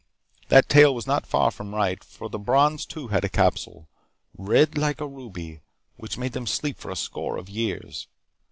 That tale was not far from right. For the Brons too had a capsule, red like a ruby, which made them sleep for a score of years.